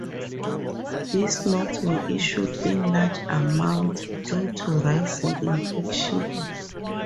These notes were issued in large amounts due to rising inflation.